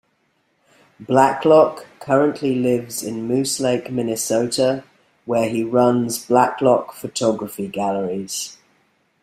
Blacklock currently lives in Moose Lake, Minnesota, where he runs Blacklock Photography Galleries.